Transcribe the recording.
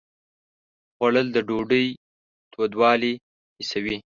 خوړل د ډوډۍ تودوالی حسوي